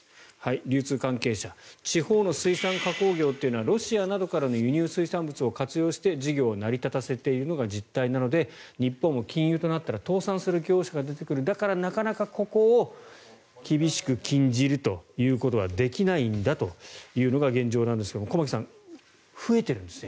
流通関係者、地方の水産加工業はロシアなどからの輸入水産物を活用して事業を成り立たせているのが実態なので日本も禁輸となると倒産する業者が出てくるだからなかなかここを厳しく禁じるということはできないんだというのが現状なんですが駒木さん、増えてるんですね。